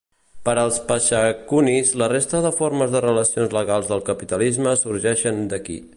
Per als pashukanis, la resta de formes de relacions legals del capitalisme sorgeixen d'aquí.